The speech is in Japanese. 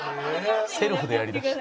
セルフでやりだした」